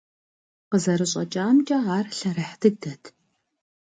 Къызэрыщӏэкӏамкӏэ, ар лъэрыхь дыдэт.